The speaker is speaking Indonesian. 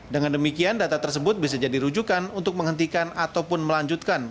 dengan demikian data tersebut bisa jadi rujukan untuk menghentikan ataupun melanjutkan